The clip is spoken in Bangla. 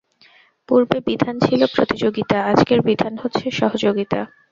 পূর্বে বিধান ছিল প্রতিযোগিতা, আজকের বিধান হচ্ছে সহযোগিতা।